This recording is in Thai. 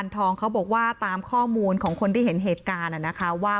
ทองเขาบอกว่าตามข้อมูลของคนที่เห็นเหตุการณ์นะคะว่า